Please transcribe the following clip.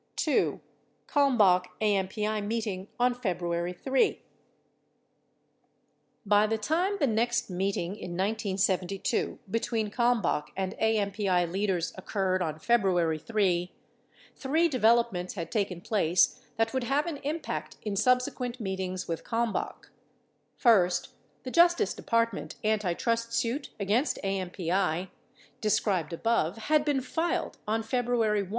45 2. KALMBACH AMPI MEETING ON FEBRUARY 3 By the time the next meeting in 1972 between Kalmbach and AMPI leaders occurred on February 3, three developments had taken place that would have an impact in subsequent meetings with Kalmbach : First, the Justice Department antitrust suit against AMPI, described above, had been filed on February 1.